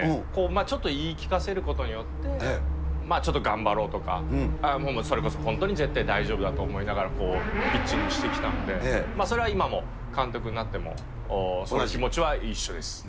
ちょっと言い聞かせることによって、ちょっと頑張ろうとか、もうそれこそ、本当に絶対大丈夫だと思いながらピッチングしてきたので、それは今も監督になってもその気持ちは一緒です。